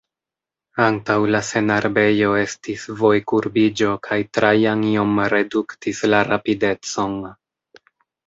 Antaŭ la senarbejo estis vojkurbiĝo kaj Trajan iom reduktis la rapidecon.